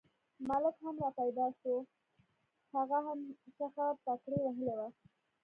ملک هم را پیدا شو، هغه هم شخه پګړۍ وهلې وه.